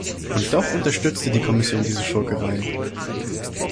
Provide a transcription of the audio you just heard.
Und doch unterstützte die Kommission diese Schurkerei!